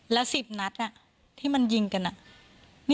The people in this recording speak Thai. แล้ว๑๐นัดที่มันยิงกันอะ